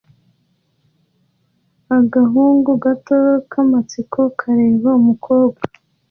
Agahungu gato k'amatsiko kareba umukobwa